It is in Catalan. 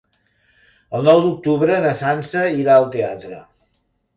El nou d'octubre na Sança irà al teatre.